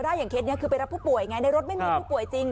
อย่างเคสนี้คือไปรับผู้ป่วยไงในรถไม่มีผู้ป่วยจริง